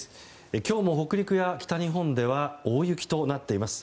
今日も北陸や北日本では大雪となっています。